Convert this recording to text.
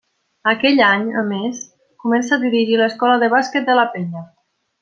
Aquell any, a més, comença a dirigir l'escola de bàsquet de la Penya.